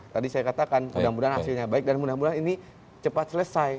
tadi saya katakan mudah mudahan hasilnya baik dan mudah mudahan ini cepat selesai